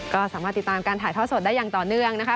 ก็สามารถติดตามการถ่ายท่อสดได้อย่างต่อเนื่องนะคะ